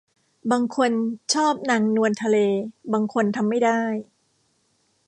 บางคนชอบนางนวลทะเลบางคนทำไม่ได้